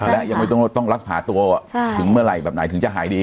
และยังไม่ต้องรักษาตัวถึงเมื่อไหร่แบบไหนถึงจะหายดี